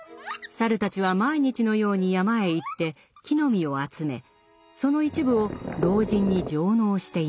猿たちは毎日のように山へ行って木の実を集めその一部を老人に上納していました。